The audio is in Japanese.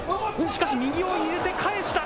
しかし、右を入れて返した。